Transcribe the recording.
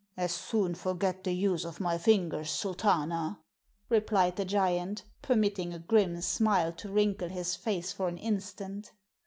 "As soon forget the use of my fingers, Sultana!" replied the giant, permitting a grim smile to wrinkle his face for an instant.